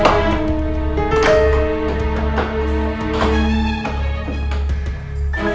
pada saat mereka didekat